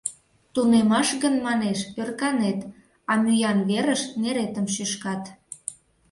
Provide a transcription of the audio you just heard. Тунемаш гын, манеш, ӧрканет, а мӱян верыш неретым шӱшкат...